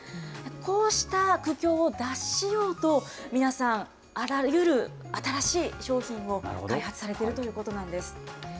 こうした苦境を脱しようと、皆さん、あらゆる新しい商品を開発されているということなんです。